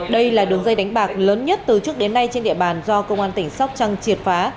đây là đường dây đánh bạc lớn nhất từ trước đến nay trên địa bàn do công an tỉnh sóc trăng triệt phá